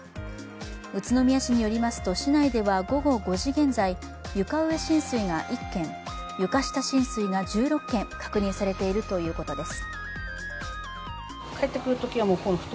宇都宮市によりますと市内では午後５時現在、床上浸水が１件、床下浸水が１６件、確認されているということです。